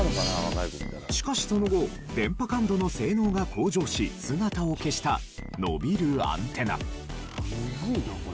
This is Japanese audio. しかしその後電波感度の性能が向上し姿を消した伸びるアンテナ。